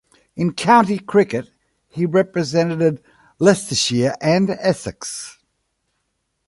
In county cricket he represented Leicestershire and Essex.